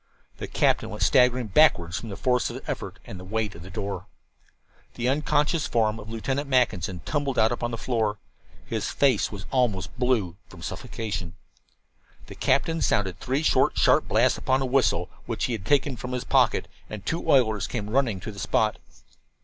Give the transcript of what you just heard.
The captain went staggering backward from the force of his effort and the weight of the door. The unconscious form of Lieutenant Mackinson tumbled out upon the floor. His face was almost blue from suffocation. The captain sounded three short, sharp blasts upon a whistle which he had taken from his pocket, and two oilers came running to the spot.